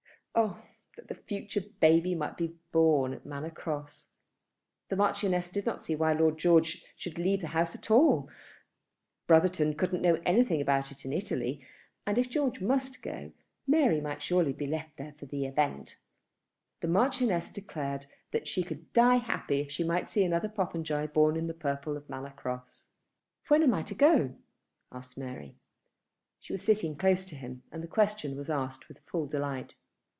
Oh, that the future baby might be born at Manor Cross! The Marchioness did not see why Lord George should leave the house at all. Brotherton couldn't know anything about it in Italy, and if George must go, Mary might surely be left there for the event. The Marchioness declared that she could die happy if she might see another Popenjoy born in the purple of Manor Cross. "When am I to go?" asked Mary. She was sitting now close to him, and the question was asked with full delight.